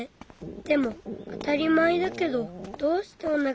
でもあたりまえだけどどうしておなかがすくんだろう。